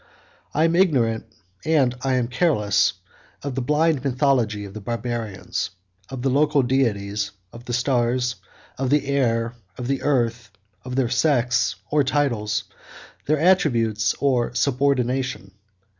I am ignorant, and I am careless, of the blind mythology of the Barbarians; of the local deities, of the stars, the air, and the earth, of their sex or titles, their attributes or subordination.